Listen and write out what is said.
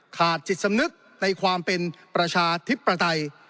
ขาดจิตสำนึกในความเป็นประชาธิปไตย